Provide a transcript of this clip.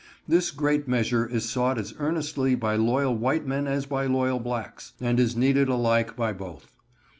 This great measure is sought as earnestly by loyal white men as by loyal blacks, and is needed alike by both.